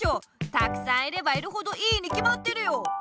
たくさんいればいるほどいいにきまってるよ！